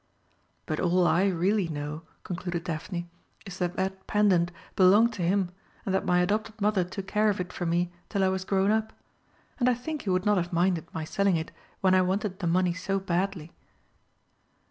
"But all I really know," concluded Daphne, "is that that pendant belonged to him, and that my adopted Mother took care of it for me till I was grown up. And I think he would not have minded my selling it when I wanted the money so badly."